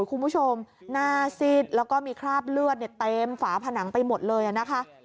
คุณผู้ชมหน้าซิดแล้วก็มีคราบเลือดเต็มฝาผนังไปหมดเลยนะคะ